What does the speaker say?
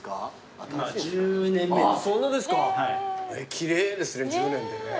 奇麗ですね１０年でね。